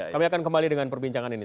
kami akan kembali dengan perbincangan ini